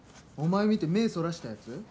お前見て目そらしたやつ？